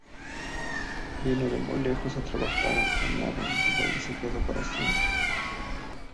Vino de muy lejos a trabajar en la vendimia y se quedó para siempre.